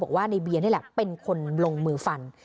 บอกว่าในเบียร์นี่แหละเป็นคนลงมือฟัน